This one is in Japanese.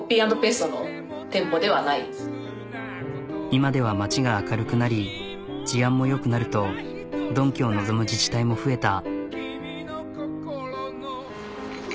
今では街が明るくなり治安もよくなるとドンキを望む自治体も増えた。